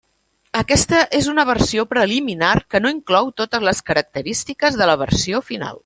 Aquesta és una versió preliminar que no inclou totes les característiques de la versió final.